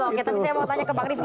oke tapi saya mau tanya ke bang rifki